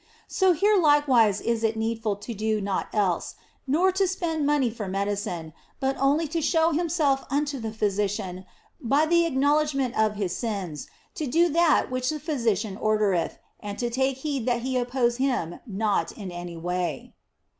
So here likewise is it needful to do naught else, nor to spend money for medicine, but only to show himself unto the Physician by the acknowledgment of his sins, to do that which the Physician ordereth arid to take heed that he oppose Him not in any way.